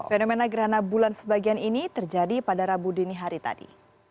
fenomena gerhana bulan sebagian ini terjadi pada rabu dini hari tadi